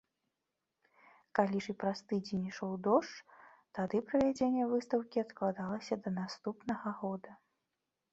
Калі ж і праз тыдзень ішоў дождж, тады правядзенне выстаўкі адкладалася да наступнага года.